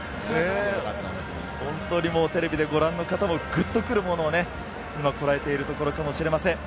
テレビでご覧の方もグッとくるものをこらえているところかもしれません。